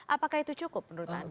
apakah itu cukup menurut anda